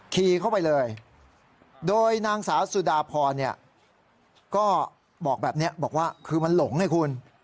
ขี่เข้าไปเลยโดยนางสาวสุดาพรเนี่ยก็บอกแบบนี้บอกว่าคือมันหลงไงคุณ